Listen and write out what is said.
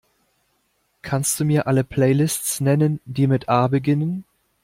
Kannst Du mir alle Playlists nennen, die mit A beginnen?